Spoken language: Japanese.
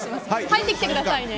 入ってきてくださいね。